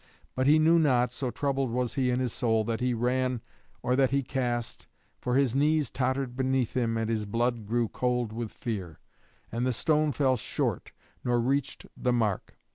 But he knew not, so troubled was he in his soul, that he ran or that he cast, for his knees tottered beneath him and his blood grew cold with fear. And the stone fell short, nor reached the mark.